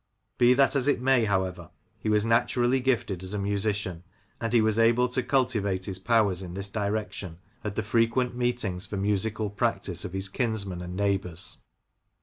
Be that as it may, however, he was naturally gifted as a musician, and he was able to cultivate his powers in this direction at the frequent meetings for musical practice of his kinsmen and neighbours.